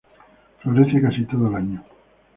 Florece casi todo el año.